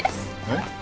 えっ？